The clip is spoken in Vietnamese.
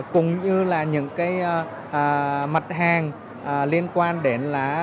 cũng như là những cái mặt hàng liên quan đến là